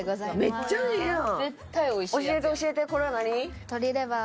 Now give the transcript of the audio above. めっちゃええやん。